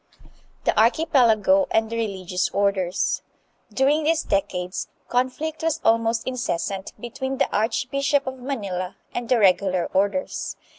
The Archipelago and the Religious Orders. During these decades, conflict was almost incessant between the archbishop of Manila and the regular orders.